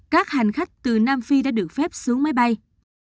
các hành khách từ nam phi đã được phép xuống máy bay